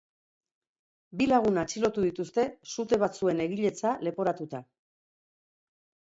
Bi lagun atxilotu dituzte sute batzuen egiletza leporatuta.